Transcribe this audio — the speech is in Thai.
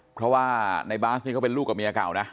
เพราะว่าในบาสนี่เขาเป็นลูกกับเมียเก่านะ